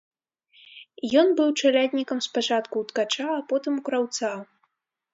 Ён быў чаляднікам спачатку ў ткача, затым у краўца.